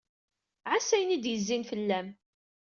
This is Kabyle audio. Ɛass ayen ay d-yezzin fell-am.